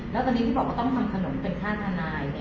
แล้วตอนนี้ที่บอกว่าต้องทำขนมเป็นค่าทนาย